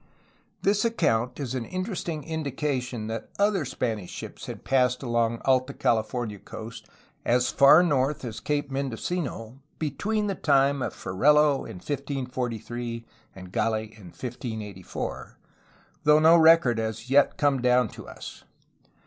This account is an interesting indication that other Spanish ships had passed along the Alta California coast as far north as Cape Mendocino between the time of Ferrelo in 1543 and Gah in 1584, though no record has come down to us.